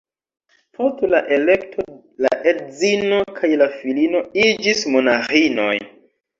Post la elekto la edzino kaj la filino iĝis monaĥinoj.